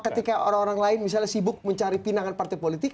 ketika orang orang lain misalnya sibuk mencari pinangan partai politik